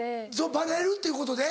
バレるっていうことで？